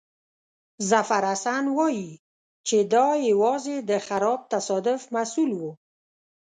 ظفرحسن وایي چې دا یوازې د خراب تصادف محصول وو.